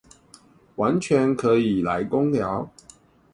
完全可以來工寮